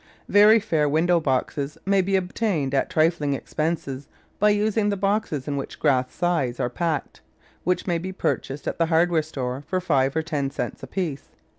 Very fair window boxes may be obtained at trifling expense by using the boxes in which grass scythes are packed, which may be purchased at the hardware store for five or ten cents apiece.